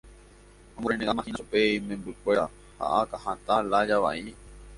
omorrenegámahina chupe imembykuéra akãhatã lája vai.